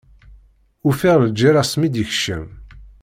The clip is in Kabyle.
Ufiɣ lǧerra-s mi d-yekcem.